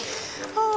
ああ。